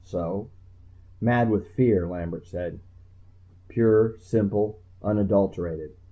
"So?" "Mad with fear," Lambert said. "Pure. Simple. Unadulterated.